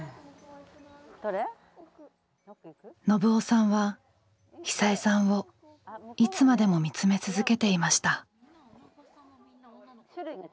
信男さんは久枝さんをいつまでも見つめ続けていました。